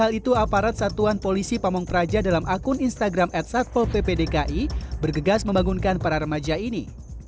aparat satuan polisi pamong praja dalam akun instagram at satpol ppdki bergegas membangunkan para remaja ini